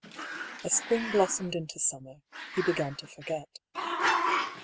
As spring blossomed into summer, he began to forget.